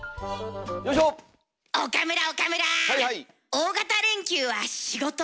大型連休は仕事？